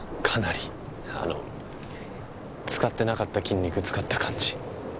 かなりあの使ってなかった筋肉使った感じ？